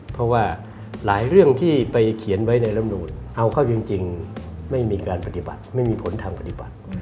เพราะว่าหลายเรื่องที่ไปเขียนไว้ในลำนูนเอาเข้าจริงไม่มีการปฏิบัติไม่มีผลทางปฏิบัติ